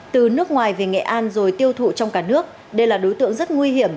từ nước ngoài về nghệ an rồi tiêu thụ trong cả nước đây là đối tượng rất nguy hiểm